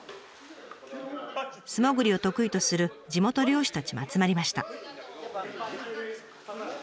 素潜りを得意とする地元漁師たちも集まりました。